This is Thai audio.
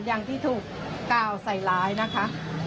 อย่างที่ถูกกล่าวใส่ร้ายนะคะ